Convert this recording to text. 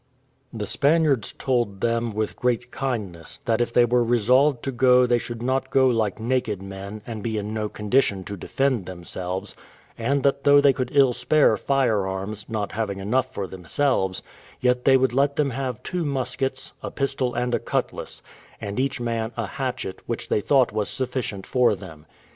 The Spaniards told them, with great kindness, that if they were resolved to go they should not go like naked men, and be in no condition to defend themselves; and that though they could ill spare firearms, not having enough for themselves, yet they would let them have two muskets, a pistol, and a cutlass, and each man a hatchet, which they thought was sufficient for them.